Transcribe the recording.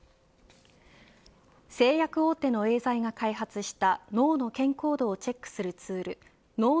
製薬大手のエーザイが開発した脳の健康度をチェックするツールのう